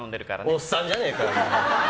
おっさんじゃねえかよ。